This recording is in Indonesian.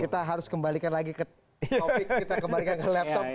kita harus kembalikan lagi ke topik kita kembalikan ke laptop